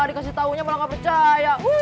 dikasih tahunya malah gak percaya